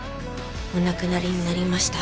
お亡くなりになりました。